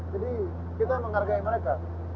jadi kita menghargai mereka